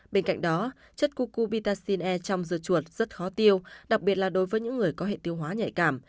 bên cạnh đó chất cucu vitasen e trong dưa chuột rất khó tiêu đặc biệt là đối với những người có hệ tiêu hóa nhạy cảm